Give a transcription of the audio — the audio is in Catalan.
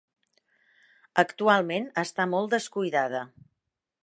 Actualment està molt descuidada.